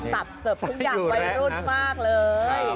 เสิร์ฟทุกอย่างวัยรุ่นมากเลย